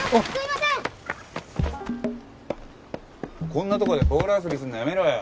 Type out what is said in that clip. こんなとこでボール遊びするのやめろよ。